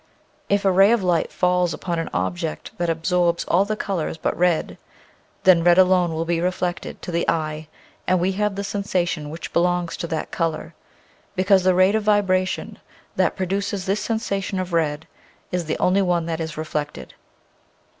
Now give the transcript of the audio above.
If a ray of light falls upon an object that absorbs all the colors but red, then red alone will be reflected to the eye and we have the sensation which belongs to that color, because the rate of vibration that produces this sensation of red is the only one that is reflected.